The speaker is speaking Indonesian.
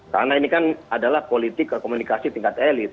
karena ini kan adalah politik komunikasi tingkat elit